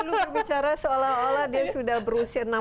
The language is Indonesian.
dulu berbicara seolah olah dia sudah berusia enam puluh lima tahun